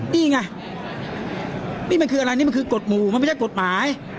นี่ไงนี่มันคืออะไรนี่มันคือกฎหมู่มันไม่ใช่กฎหมาย